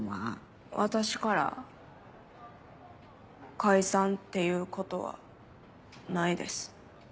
私から「解散」って言うことはないです。